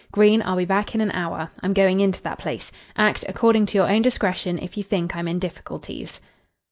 Green, I'll be back in an hour. I'm going into that place. Act according to your own discretion if you think I'm in difficulties."